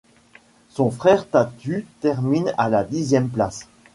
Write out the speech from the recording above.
Son frère Tatu termine à la dixième place.